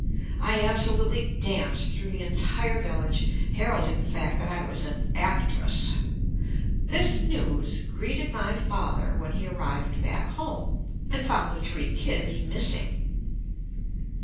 I absolutely danced through the entire village, heralding the fact that I was an actress. This news greeted my father when he arrived back home and found the three kids missing.